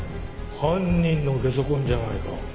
犯人の下足痕じゃないか。